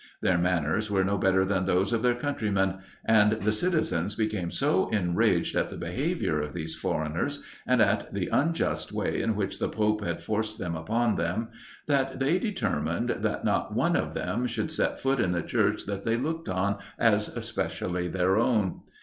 Their manners were no better than those of their countryman, and the citizens became so enraged at the behaviour of these foreigners, and at the unjust way in which the Pope had forced them upon them, that they determined that not one of them should set foot in the church that they looked on as especially their own.